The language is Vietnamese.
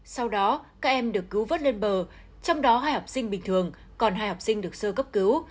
sau đó các em được cứu vớt lên bờ trong đó hai học sinh bình thường còn hai học sinh được sơ cấp cứu